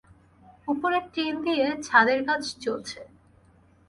উপরে টিন দিয়ে ছাদের কাজ চলছে।